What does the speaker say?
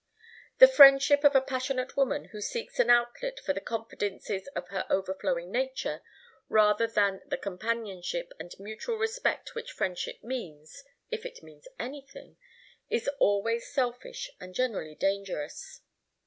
The friendship of a passionate woman who seeks an outlet for the confidences of her overflowing nature, rather than the companionship and mutual respect which friendship means, if it means anything, is always selfish and generally dangerous.